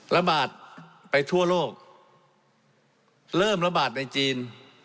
ระบาดไปทั่วโลกเริ่มระบาดในจีน